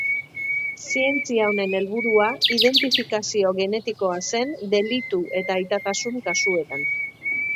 Zientzia honen helburua identifikazio genetikoa zen delitu eta aitatasun kasuetan.